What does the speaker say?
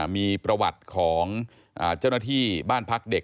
มีประวัติของเจ้าหน้าที่บ้านพักเด็ก